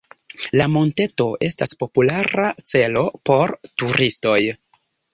La monteto estas populara celo por turistoj.